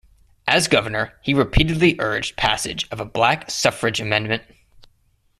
As governor, he repeatedly urged passage of a black suffrage amendment.